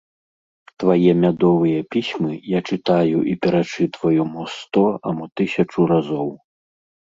Твае мядовыя пісьмы я чытаю і перачытваю мо сто, а мо тысячу разоў.